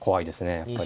やっぱり。